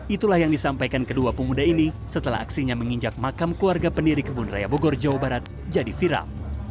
itulah yang disampaikan kedua pemuda ini setelah aksinya menginjak makam keluarga pendiri kebun raya bogor jawa barat jadi viral